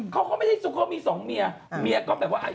เขาก็ไม่ได้ซุกเขามีสองเมียเมียก็แบบว่า